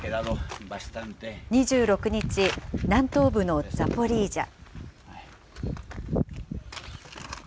２６日、南東部のザポリージャ。